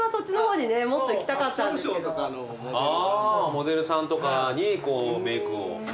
モデルさんとかにメークを施して。